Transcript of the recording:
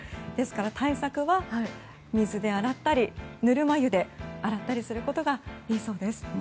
ですから、対策は水で洗ったりぬるま湯で洗ったりすることが原則です。